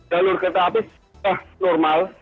jalur kereta api sudah normal